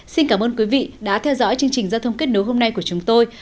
xin cảm ơn quý vị đã theo dõi chương trình giao thông kết nối hôm nay của chúng tôi